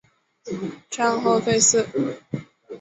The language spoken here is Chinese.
战后废寺。